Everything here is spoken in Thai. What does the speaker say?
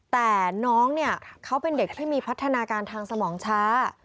แต่น้องเนี่ยเขาเป็นเด็กที่มีพัฒนาการทางสมองช้า